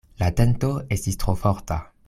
La tento estis tro forta.